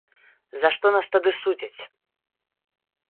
За што нас тады судзяць?